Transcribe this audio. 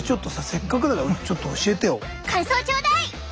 せっかくだからちょっと教えてよ。